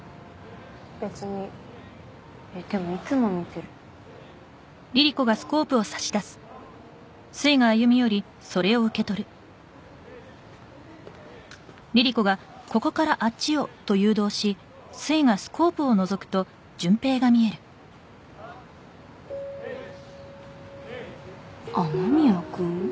別にえっでもいつも見てる雨宮君？